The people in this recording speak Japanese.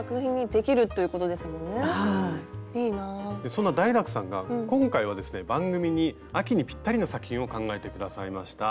そんなダイラクさんが今回はですね番組に秋にぴったりの作品を考えて下さいました。